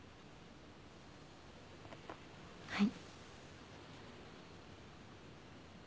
はい。